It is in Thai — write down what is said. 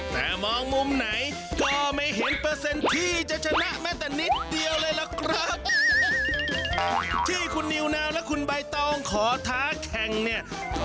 แต่มองมุมไหนก็ไม่เห็นเปอร์เซ็นต์ที่จะชนะแม้แต่นิดเดียวเลยล่ะครับ